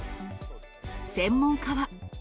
専門家は。